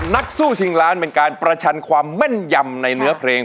นักสู้ชิงล้านเป็นการประชันความแม่นยำในเนื้อเพลง